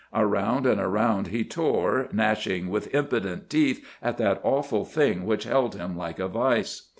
Around and around he tore, gnashing with impotent teeth at that awful thing which held him like a vise.